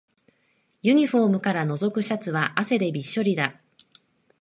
ユニフォームからのぞくシャツは汗でびっしょりだ